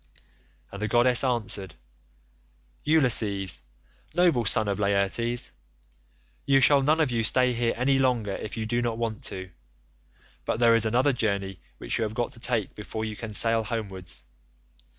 "And the goddess answered, 'Ulysses, noble son of Laertes, you shall none of you stay here any longer if you do not want to, but there is another journey which you have got to take before you can sail homewards.